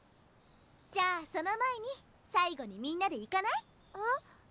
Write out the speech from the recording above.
じゃあその前に最後にみんなで行かない？え？